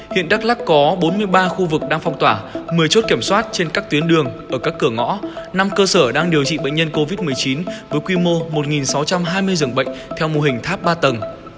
hiện đắk lắc có bốn mươi ba khu vực đang phong tỏa một mươi chốt kiểm soát trên các tuyến đường ở các cửa ngõ năm cơ sở đang điều trị bệnh nhân covid một mươi chín với quy mô một sáu trăm hai mươi dường bệnh theo mô hình tháp ba tầng